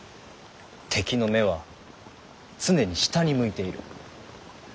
敵の目は常に下に向いている。